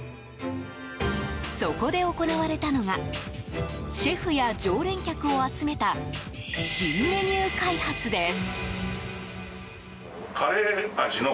そこで行われたのがシェフや常連客を集めた新メニュー開発です。